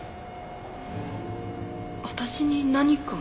私に何か？